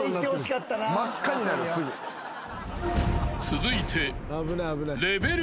［続いて］